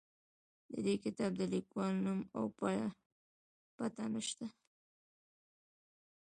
د دې کتاب د لیکوال نوم او پته نه شته.